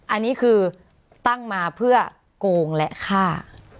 อันนี้คือตั้งมาเพื่อโกงและฆ่า